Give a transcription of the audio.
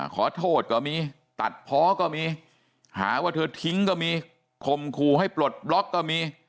ขอโทษก็มีตัดเพาะก็มีหาว่าเธอทิ้งก็มีคมคู่ให้ปลดบล็อกก็มี